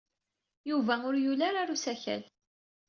Yuba ur yuli ara ɣer usakal.